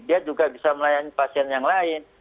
dia juga bisa melayani pasien yang lain